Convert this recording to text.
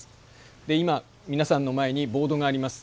で今みなさんの前にボードがあります。